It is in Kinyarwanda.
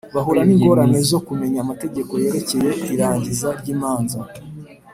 bahura n ingorane zo kumenya amategeko yerekeye irangiza ry imanza